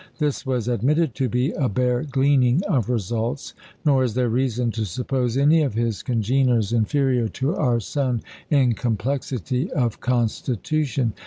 This was admitted to be a bare gleaning of results; nor is there reason to suppose any of his congeners inferior to our sun in complexity of constitution.